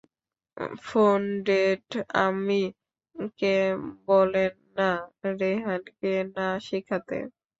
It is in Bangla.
ফোন ডেড, আম্মি কে বলেন না রেহান কে না শিখাতে।